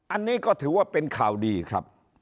อันนี้ก็ถือว่าเป็นข่าวดีครับ